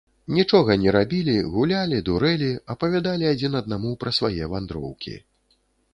Нічога не рабілі, гулялі, дурэлі, апавядалі адзін аднаму пра свае вандроўкі.